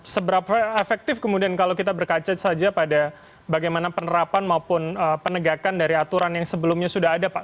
seberapa efektif kemudian kalau kita berkaca saja pada bagaimana penerapan maupun penegakan dari aturan yang sebelumnya sudah ada pak